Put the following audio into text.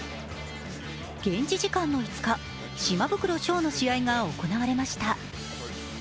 現地時間の５日、島袋将の試合が行われました。